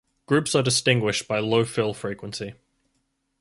Groups are distinguished by low fill frequency.